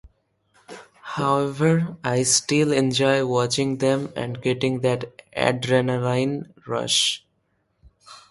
However, I still enjoy watching them and getting that adrenaline rush.